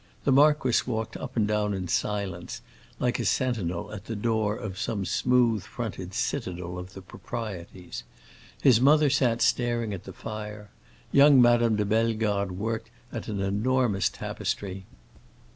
The marquis walked up and down in silence, like a sentinel at the door of some smooth fronted citadel of the proprieties; his mother sat staring at the fire; young Madame de Bellegarde worked at an enormous band of tapestry.